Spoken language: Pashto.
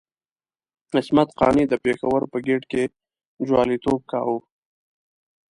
عصمت قانع د پېښور په ګېټ کې جواليتوب کاوه.